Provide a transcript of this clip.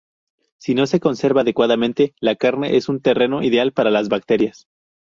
Si no se conserva adecuadamente, la carne es un terreno ideal para las bacterias.